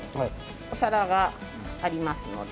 お皿がありますので。